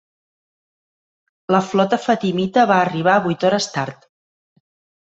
La flota fatimita va arribar vuit hores tard.